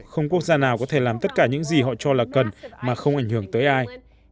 không quốc gia nào có thể làm tất cả những gì họ cho là cần mà không ảnh hưởng tới ai